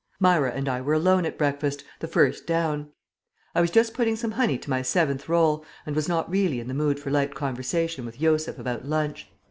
Myra and I were alone at breakfast, the first down. I was just putting some honey on to my seventh roll, and was not really in the mood for light conversation with Josef about lunch.